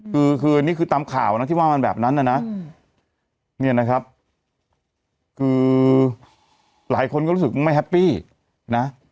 คือคือนี่คือตามข่าวนะที่ว่ามันแบบนั้นนะเนี่ยนะครับคือหลายคนก็รู้สึกไม่แฮปปี้นะ